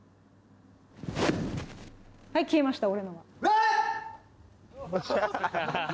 はい消えました。